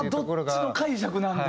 どっちの解釈なんか。